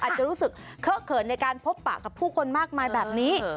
อาจจะรู้สึกเคอะเขินในการพบปะกับผู้คนมากมายแบบนี้